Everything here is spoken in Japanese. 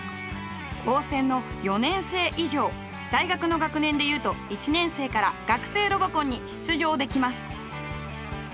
高専の４年生以上大学の学年で言うと１年生から学生ロボコンに出場できます。